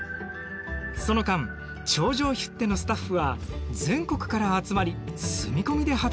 その間頂上ヒュッテのスタッフは全国から集まり住み込みで働いている。